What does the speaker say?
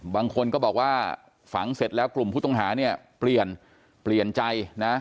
บางคนก็บอกว่าฝังเสร็จแล้วกลุ่มผู้ต้องหาเนี่ยเปลี่ยนเปลี่ยนใจนะ